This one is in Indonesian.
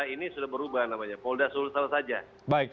ini sudah berubah namanya polda sulsel saja